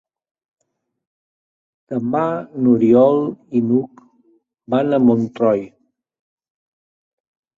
Demà n'Oriol i n'Hug van a Montroi.